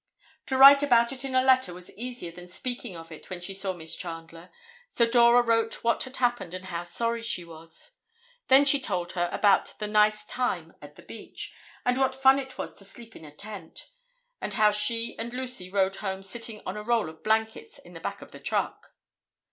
To write about it in a letter was easier than speaking of it when she saw Miss Chandler, so Dora wrote what had happened and how sorry she was. Then she told her about the nice time at the beach, and what fun it was to sleep in a tent, and how she and Lucy rode home sitting on a roll of blankets in the back of the truck.